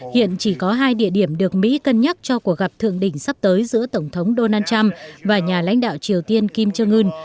hiện chỉ có hai địa điểm được mỹ cân nhắc cho cuộc gặp thượng đỉnh sắp tới giữa tổng thống donald trump và nhà lãnh đạo triều tiên kim jong un